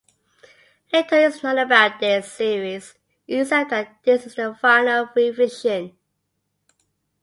Little is known about this series except that this is the final revision.